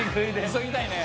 急ぎたいね！